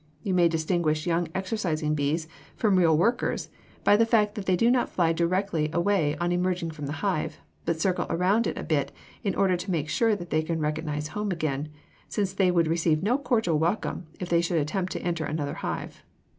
You may distinguish young exercising bees from real workers by the fact that they do not fly directly away on emerging from the hive, but circle around a bit in order to make sure that they can recognize home again, since they would receive no cordial welcome if they should attempt to enter another hive.